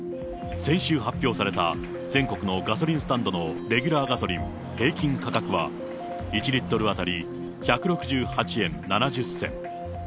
先週発表された、全国のガソリンスタンドのレギュラーガソリン平均価格は、１リットル当たり１６８円７０銭。